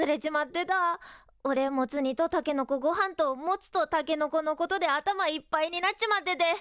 おれモツ煮とたけのこごはんとモツとたけのこのことで頭いっぱいになっちまってて。